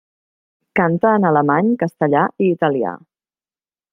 Canta en alemany, castellà i italià.